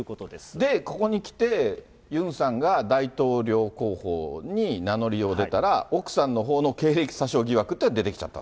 で、ここにきて、ユンさんが、大統領候補に名乗り出たら、奥さんのほうの経歴詐称疑惑というのが出てきちゃったと。